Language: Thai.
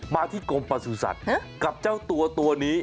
มาที่กรมประสุทธิ์สัตว์กับเจ้าตัวตัวนี้